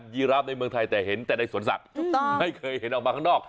ีราฟในเมืองไทยแต่เห็นแต่ในสวนสัตว์ไม่เคยเห็นออกมาข้างนอก